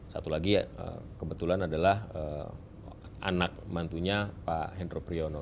satu lagi kebetulan adalah anak mantunya pak hendro priyono